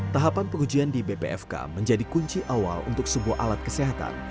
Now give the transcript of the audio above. tahapan pengujian di bpfk menjadi kunci awal untuk sebuah alat kesehatan